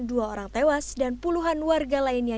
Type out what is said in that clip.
dua orang tewas dan puluhan warga lainnya